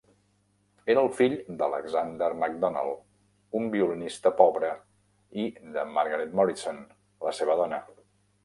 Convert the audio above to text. Era el fill d'Alexander Macdonald, un violinista pobre, i de Margaret Morison, la seva dona.